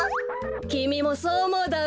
きみもそうおもうだろ？